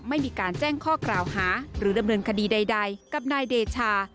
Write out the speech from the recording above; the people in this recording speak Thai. ไม่มีการแจ้งข้อกล่าวหาหรือดำเนินคดีใดกับนายเดชา